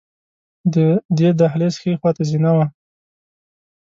د دې دهلېز ښې خواته زینه وه.